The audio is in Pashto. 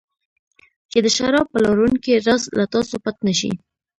چې د شراب پلورونکي راز له تاسو پټ نه شي.